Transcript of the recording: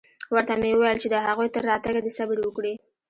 ورته مې وويل چې د هغوى تر راتگه دې صبر وکړي.